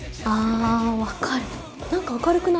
ああ分かる。